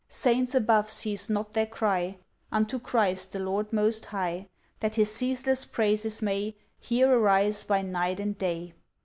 Saints above cease not their cry, Unto Christ the Lord Most High, That His ceaseless praises may Here arise by night and day.